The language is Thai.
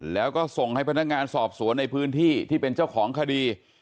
แล้วก็ส่งให้พนักงานสอบสวนในพื้นที่ที่เป็นเจ้าของคดี